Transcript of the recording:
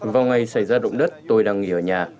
vào ngày xảy ra động đất tôi đang nghỉ ở nhà